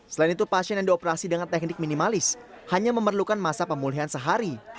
selain itu pasien yang dioperasi dengan teknik minimalis hanya memerlukan masa pemulihan sehari